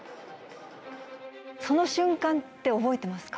その瞬間って覚えてますか？